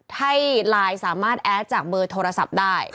ให้ไลน์สามารถแอดจากเบอร์โทรศัพท์ได้